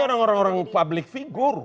ini orang orang publik figur